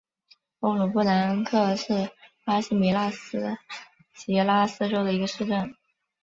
欧鲁布兰科是巴西米纳斯吉拉斯州的一个市镇。